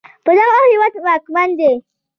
پر دغه هېواد واکمن دی